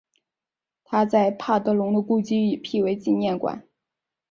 他在帕德龙的故居已辟为纪念馆。